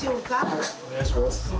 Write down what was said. はいお願いします。